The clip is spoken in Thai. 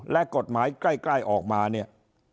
และกฎหมายใกล้